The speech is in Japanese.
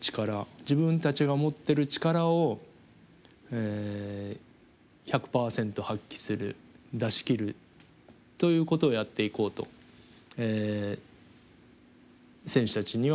自分たちが持ってる力を１００％発揮する出しきるということをやっていこうと選手たちには働きかけています。